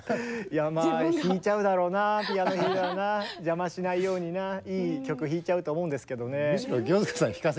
いやまあ弾いちゃうだろうなピアノ弾いたらな邪魔しないようにないい曲弾いちゃうと思うんですけどね。